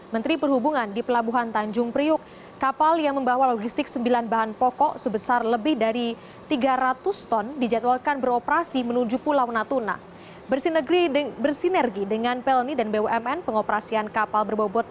menjalani rute ini dengan tarif komersial